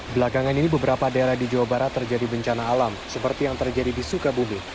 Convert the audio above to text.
belakangan ini beberapa daerah di jawa barat terjadi bencana alam seperti yang terjadi di sukabumi